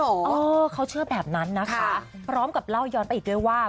เออเขาเชื่อแบบนั้นนะคะพร้อมกับเล่าย้อนไปอีกด้วยว่า